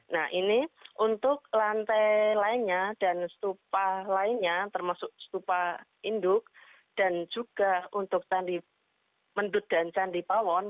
nah ini untuk lantai lainnya dan stupa lainnya termasuk stupa induk dan juga untuk candi mendut dan candi pawon